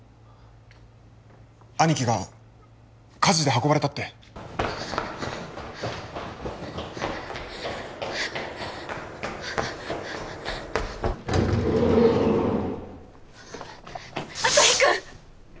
兄貴が火事で運ばれたって旭君！